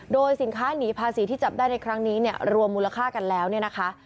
โดยสินค้านีภาษีที่จับได้ในครั้งนี้เนี่ยรวมมูลค่ากันแล้วเนี่ยนะคะ